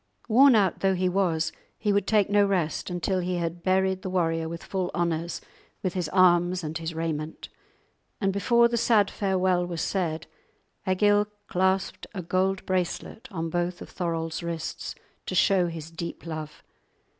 Worn out though he was, he would take no rest until he had buried the warrior with full honours, with his arms and his raiment; and before the sad farewell was said Egil clasped a gold bracelet on both of Thorolf's wrists to show his deep love.